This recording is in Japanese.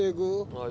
はい。